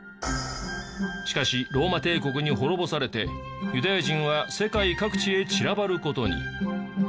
しかしローマ帝国に滅ぼされてユダヤ人は世界各地へ散らばる事に。